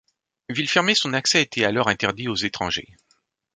Ville fermée, son accès était alors interdit aux étrangers.